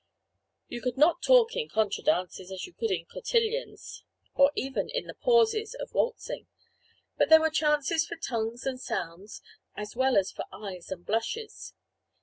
You could not talk in contra dances as you do in cotillions, or even in the pauses of waltzing; but there were chances for tongues and sounds, as well as for eyes and blushes.